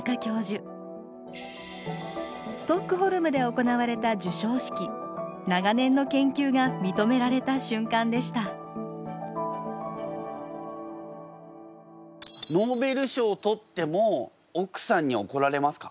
ストックホルムで行われた授賞式長年の研究がみとめられた瞬間でしたノーベル賞をとっても奥さんにおこられますか？